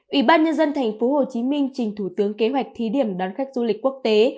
ủy ban nhân dân thành phố hồ chí minh trình thủ tướng kế hoạch thí điểm đón khách du lịch quốc tế